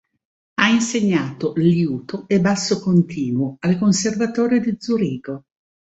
Ha insegnato liuto e basso continuo al Conservatorio di Zurigo.